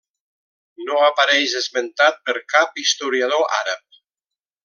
No apareix esmentat per cap historiador àrab.